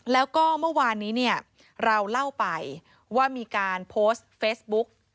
แล้วก็เมื่อวานนี้เนี่ยเราเล่าไปว่ามีการโพสต์เฟซบุ๊ก